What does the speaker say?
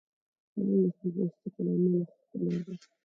پړانګ د خپل پوستکي له امله ښکلی دی.